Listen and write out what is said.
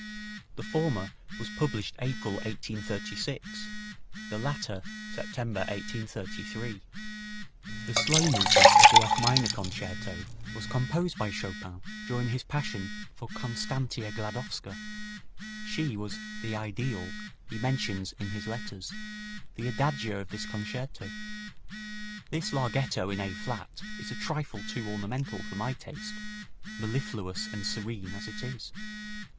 The former was published April, 1836; the latter September, 1833. The slow movement of the F minor Concerto was composed by Chopin during his passion for Constantia Gladowska. She was "the ideal" he mentions in his letters, the adagio of this concerto. This larghetto in A flat is a trifle too ornamental for my taste, mellifluous and serene as it is.